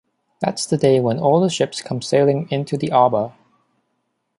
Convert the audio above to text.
That's the day when all the ships come sailing into the arbor!